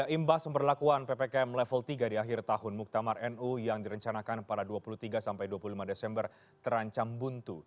imbas pemberlakuan ppkm level tiga di akhir tahun muktamar nu yang direncanakan pada dua puluh tiga sampai dua puluh lima desember terancam buntu